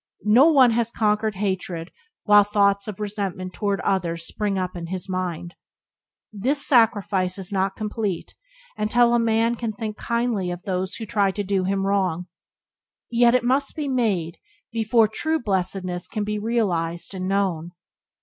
No one has conquered hatred while thoughts of resentment towards others spring up in his mind. This sacrifice is not complete until a man can think kindly of those who try to do him wrong. Yet it must be made before true blessedness can be realized and known.